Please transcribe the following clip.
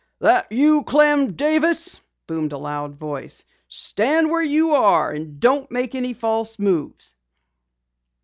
"That you, Clem Davis?" boomed a loud voice. "Stand where you are, and don't make any false moves!"